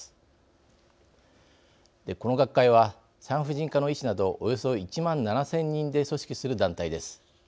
この学会は産婦人科の医師などおよそ１万７，０００人で組織する団体です。